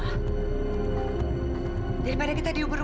washington kita bisa melakukannya